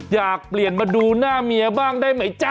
อยากเปลี่ยนมาดูหน้าเมียบ้างได้ไหมจ๊ะ